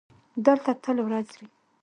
دلته تل ورځ وي.